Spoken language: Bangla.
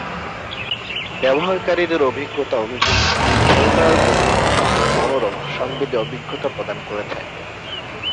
ব্যবহারকারীদের অভিজ্ঞতা অনুযায়ী, এই খেলনার গতি একটি মনোরম সংবেদী অভিজ্ঞতা প্রদান করে থাকে।